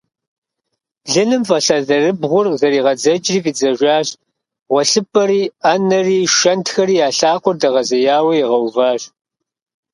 Блыным фӀэлъ алэрыбгъур зэригъэдзэкӀри фӀидзэжащ, гъуэлъыпӀэри, Ӏэнэри, шэнтхэри я лъакъуэр дэгъэзеяуэ игъэуващ.